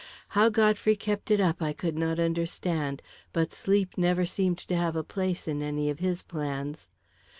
How Godfrey kept it up I could not understand, but sleep never seemed to have a place in any of his plans.